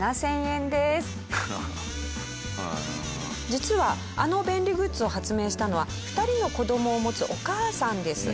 実はあの便利グッズを発明したのは２人の子どもを持つお母さんです。